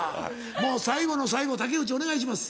もう最後の最後竹内お願いします。